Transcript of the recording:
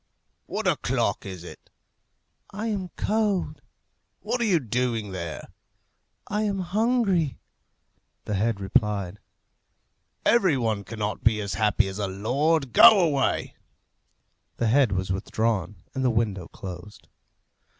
"What o'clock is it?" "I am cold." "What are you doing there?" "I am hungry." The head replied, "Every one cannot be as happy as a lord. Go away." The head was withdrawn and the window closed.